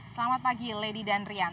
selamat pagi lady dan rian